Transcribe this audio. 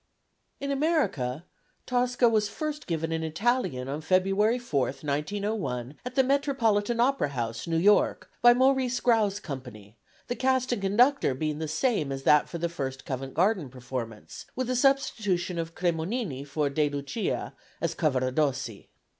In America, Tosca was first given in Italian on February 4, 1901, at the Metropolitan Opera House, New York, by Maurice Grau's company, the cast and conductor being the same as that for the first Covent Garden performance, with the substitution of Cremonini for De Lucia as Cavaradossi.